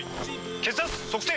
血圧測定！